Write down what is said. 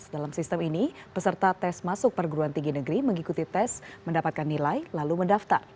dalam sistem ini peserta tes masuk perguruan tinggi negeri mengikuti tes mendapatkan nilai lalu mendaftar